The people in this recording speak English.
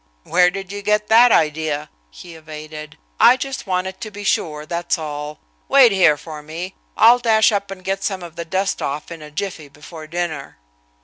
"Where did you get that idea?" he evaded. "I just wanted to be sure, that's all. Wait here for me I'll dash up and get some of the dust off in a jiffy before dinner."